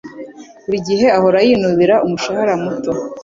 Buri gihe ahora yinubira umushahara muto.